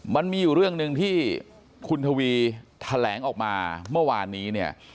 มันมีอยู่เรื่องหนึ่งที่คุณทวีแถลงออกมาเมื่อวานนี้เนี่ย